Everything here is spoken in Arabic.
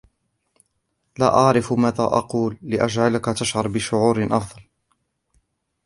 لا أعرف ماذا أقول لأجعلك تشعر بشعور أفضل.